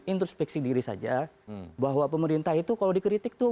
introspeksi diri saja bahwa pemerintah itu kalau dikritik tuh